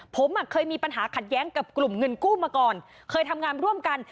ผมเคยมีปัญหาขัดแย้งกับกลุ่มเงินกู้มาก่อนเคยทำงานร่วมกัน